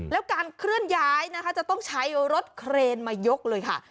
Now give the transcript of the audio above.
แล้วการเคลื่อนย้ายนะคะจะต้องใช้รถเครนมายกเลยค่ะ